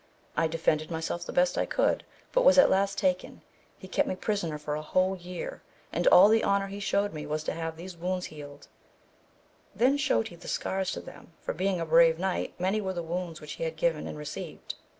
I defended myself the best I could but was at last taken ; he kept me prisoner for a whole year, and all the honour he shewed me was to have these wounds healed ; then showed he the scars to them, for being a brave knight many were the wounds which he had given and re ceived.